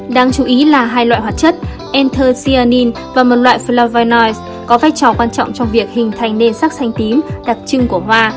đáng chú ý là hai loại hoạt chất enther cyanin và một loại flovinoice có vai trò quan trọng trong việc hình thành nền sắc xanh tím đặc trưng của hoa